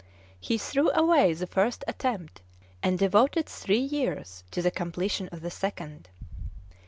He threw away the first attempt, and devoted three years to the completion of the second.